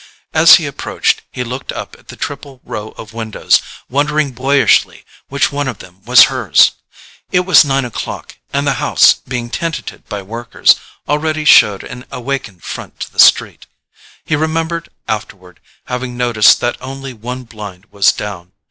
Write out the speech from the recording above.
As he approached he looked up at the triple row of windows, wondering boyishly which one of them was hers. It was nine o'clock, and the house, being tenanted by workers, already showed an awakened front to the street. He remembered afterward having noticed that only one blind was down.